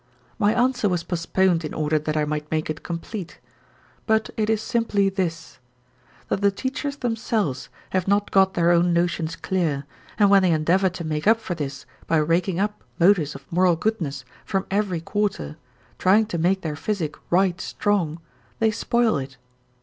My answer was postponed in order that I might make it complete. But it is simply this: that the teachers themselves have not got their own notions clear, and when they endeavour to make up for this by raking up motives of moral goodness from every quarter, trying to make their physic right strong, they spoil it.